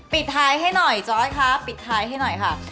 ปิดท้ายให้หน่อยจ้อยครับ